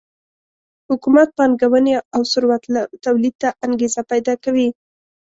حکومت پانګونې او ثروت تولید ته انګېزه پیدا کوي